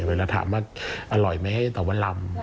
เวลาถามว่าอร่อยไหมแต่ว่าลำ